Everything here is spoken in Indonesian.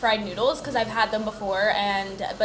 karena aku pernah makannya